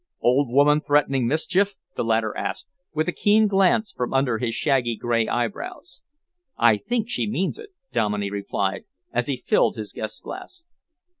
"Old woman threatening mischief?" the latter asked, with a keen glance from under his shaggy grey eyebrows. "I think she means it," Dominey replied, as he filled his guest's glass.